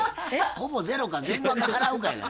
ほぼゼロか全額払うかやない。